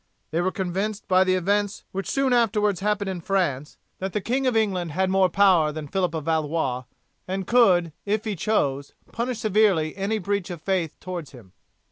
They were convinced by the events which soon afterwards happened in France that the King of England had more power than Phillip of Valois, and could, if he chose, punish severely any breach of faith towards him.